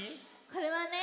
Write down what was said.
これはね